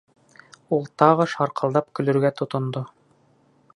Ул тағы шарҡылдап көлөргә тотондо.